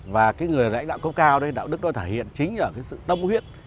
và cái người lãnh đạo cấp cao đạo đức đó thể hiện chính ở sự tâm huyết